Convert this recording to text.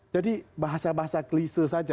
jadi bahasa bahasa klise saja